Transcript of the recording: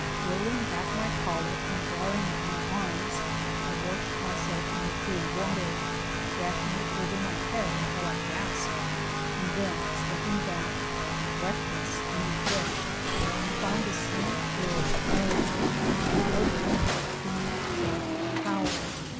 Rolling back my collar and baring my arms I washed myself in the cool water, dashing it over my head until I gasped, and then stepping back, breathless and refreshed, I found the slim girl, Mary, at my elbow with a clean soft towel.